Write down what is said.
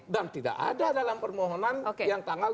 dan tidak ada dalam permohonan yang tanggal dua puluh empat